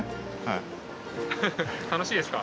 楽しいですか？